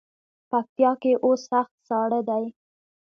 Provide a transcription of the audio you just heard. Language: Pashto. پکتیا کې اوس سخت ساړه دی.